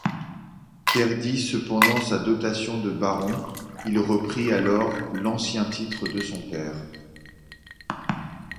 Perdit cependant sa dotation de baron, il reprit alors l'ancien titre de son père.